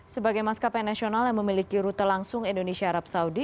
sebagai maskapai nasional yang memiliki rute langsung indonesia arab saudi